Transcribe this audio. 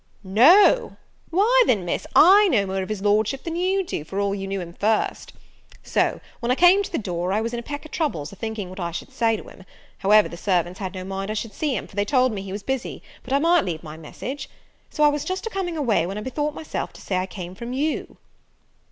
"No! why, then, Miss, I know more of his Lordship than you do, for all you knew him first. So, when I came to the door, I was in a peck of troubles, a thinking what I should say to him: however, the servants had no mind I should see him; for they told me he was busy, but I might leave my message. So I was just a coming away, when I bethought myself to say I came from you."